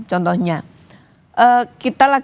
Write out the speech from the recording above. contohnya kita lagi konservasi